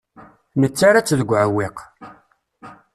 Nettarra-tt deg uɛewwiq.